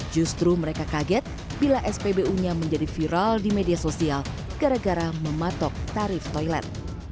justru mereka kaget bila spbu nya menjadi viral di media sosial gara gara mematok tarif toilet